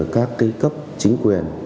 các cấp chính quyền